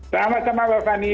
selamat selamat bapak fanny